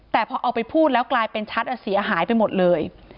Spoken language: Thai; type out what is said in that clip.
แต่พอเอาไปพูดแล้วกลายเป็นชัดเสียหายไปหมดเลย